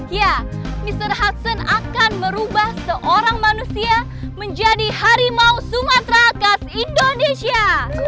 ya mr hasan akan merubah seorang manusia menjadi harimau sumatera khas indonesia